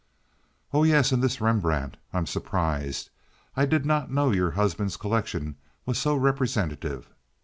"Oh yes; and this Rembrandt—I'm surprised! I did not know your husband's collection was so representative.